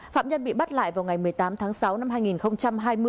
phạm nhân bị bắt lại vào ngày một mươi tám tháng sáu năm hai nghìn hai mươi